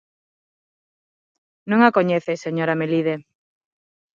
Non a coñece, señora Melide.